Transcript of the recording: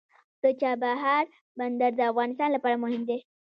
د چابهار بندر د افغانستان لپاره مهم دی.